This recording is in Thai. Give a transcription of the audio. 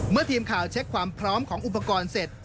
เมื่อทีมข่าวเช็คความพร้อมของอุปกรณ์เสร็จ